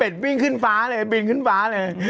วิ่งขึ้นฟ้าเลยบินขึ้นฟ้าเลย